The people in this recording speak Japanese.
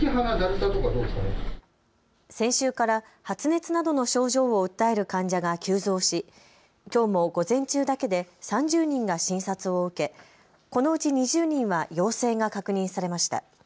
先週から発熱発熱などの症状を訴える患者が急増しきょうも午前中だけで３０人が診察を受け、このうち２０人は陽性が確認されました。